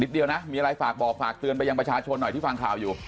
เดี๋ยวนะมีอะไรฝากบอกฝากเตือนไปยังประชาชนหน่อยที่ฟังข่าวอยู่